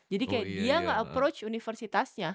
jadi kayak dia gak approach universitasnya